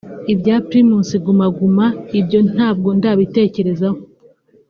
Ibya Primus Guma Guma ibyo ntabwo ndabitekerezaho